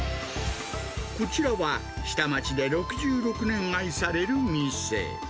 こちらは、下町で６６年愛される店。